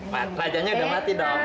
pak rajanya udah mati dong